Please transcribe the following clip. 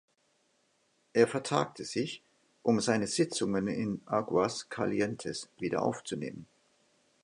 Er vertagte sich, um seine Sitzungen in Aguascalientes wieder aufzunehmen.